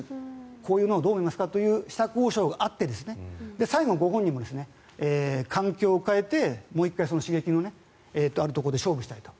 こういうのはどう見ますか？と下交渉があって最後、ご本人も環境を変えてもう１回、刺激のあるところで勝負したいと。